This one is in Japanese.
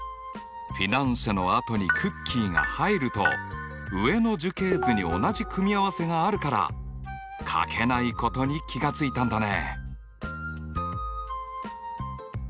フィナンシェのあとにクッキーが入ると上の樹形図に同じ組み合わせがあるから書けないことに気が付いたんだね。